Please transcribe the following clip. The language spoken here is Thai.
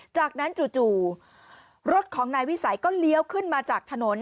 จากนั้นจู่รถของนายวิสัยก็เลี้ยวขึ้นมาจากถนน